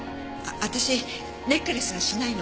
私ネックレスはしないの。